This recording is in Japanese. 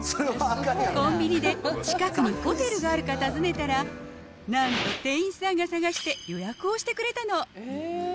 コンビニで近くにホテルがあるか尋ねたら、なんと店員さんが探して、予約をしてくれたの。